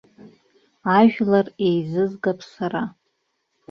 Ажәлар еизызгап сара!